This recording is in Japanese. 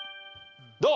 どう？